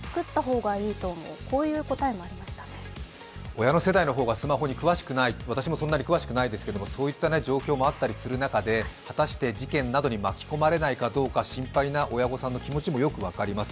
親の世代の方が、スマホに詳しくない、私もそうですがそういった状況もあったりする中で、果たして事件などに巻き込まれないかどうか心配な親御さんの気持ちもよく分かります。